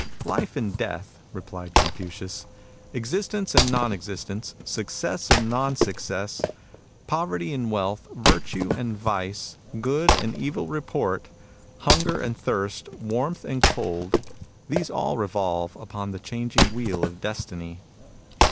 " Life and Death," replied Confucius, " ex istence and non existence, success and non success, poverty and wealth, virtue and vice, good and evil report, hunger and thirst, warmth and cold, — these all revolve upon the changing wheel of Destiny.